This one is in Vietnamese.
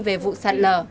về vụ sạt lở